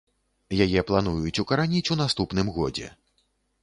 Яе плануюць укараніць у наступным годзе.